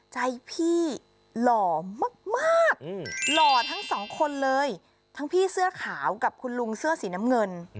ใจพี่หล่อมากหล่อทั้งสองคนเลยทั้งพี่เสื้อขาวกับคุณลุงเสื้อสีน้ำเงิน